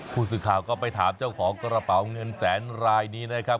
ผู้สื่อข่าวก็ไปถามเจ้าของกระเป๋าเงินแสนรายนี้นะครับ